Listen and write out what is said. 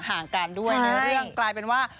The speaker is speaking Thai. ห่างกันด้วยในเรื่องกลายเป็นว่า